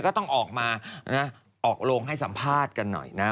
ก็ต้องออกมานะออกโรงให้สัมภาษณ์กันหน่อยนะ